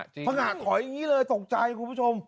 ถูกขอแบบนี้เลยตกใจคุณผู้ชม